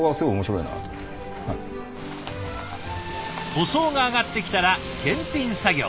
塗装があがってきたら検品作業。